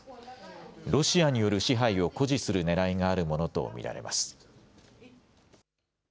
ロシアによる支配を誇示するねらいがあるものと見られます。